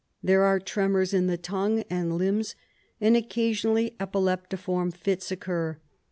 There are tremors in the tongue and limbs, and occasionally epileptiform fits occur.